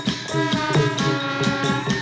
โอ้โหโอ้โหโอ้โหโอ้โห